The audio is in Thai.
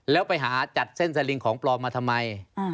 แล้วไปหาจัดเส้นสลิงของปลอมมาทำไม